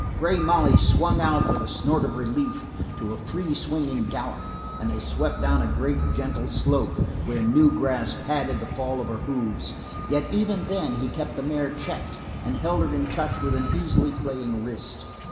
Grey Molly swung out with a snort of relief to a free swinging gallop and they swept down a great, gentle slope where new grass padded the fall of her hoofs, yet even then he kept the mare checked and held her in touch with an easily playing wrist.